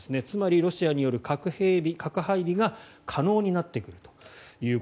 つまりロシアによる核配備が可能になってくると。